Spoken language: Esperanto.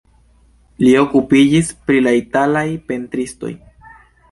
Li okupiĝis pri la italaj pentristoj.